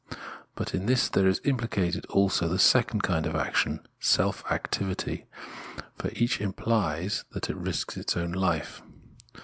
But in thri's there is imphcated also the second kind of action, «(|'lf activity ; for each imphes that it risks its own hfe..